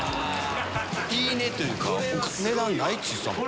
言い値というか値段ないっつってたもん。